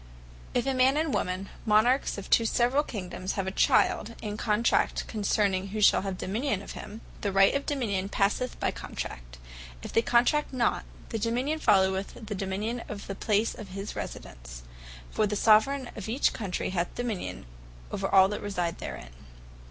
If a man and a woman, Monarches of two severall Kingdomes, have a Child, and contract concerning who shall have the Dominion of him, the Right of the Dominion passeth by the Contract. If they contract not, the Dominion followeth the Dominion of the place of his residence. For the Soveraign of each Country hath Dominion over all that reside therein.